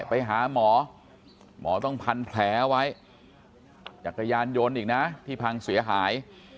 ไปหาหมอหมอต้องพันแผลไว้จักรยานยนต์อีกนะที่พังเสียหาย